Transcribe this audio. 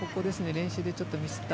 練習でちょっとミスった。